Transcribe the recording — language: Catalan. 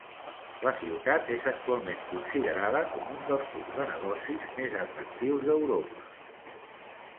La ciutat és actualment considerada com un dels punts de negocis més atractius d'Europa.